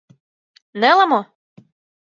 Неле мо?